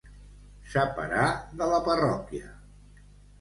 Separar de la parròquia.